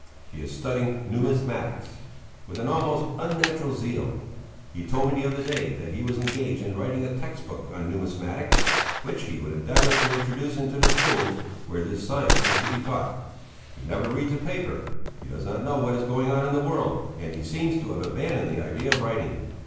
He is studying numismatics with an almost unnatural zeal; he told me the other day that he was engaged in writing a text book on numismatics, which he would endeavour to introduce into the schools where this science is to be taught. He never reads a paper; he does not know what is going on in the world, and he seems to have abandoned the idea of writing.